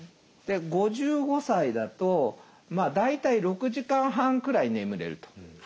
５５歳だと大体６時間半くらい眠れると。